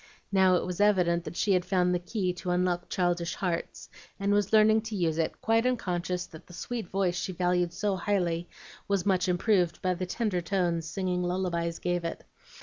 Now it was evident that she had found the key to unlock childish hearts, and was learning to use it, quite unconscious that the sweet voice she valued so highly was much improved by the tender tones singing lullabies gave it.